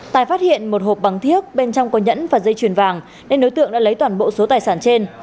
tài phát hiện một hộp bằng thiết bên trong có nhẫn và dây chuyền vàng nên đối tượng đã lấy toàn bộ số tài sản trên